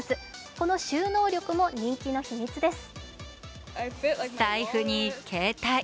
この収納力も人気の秘密です。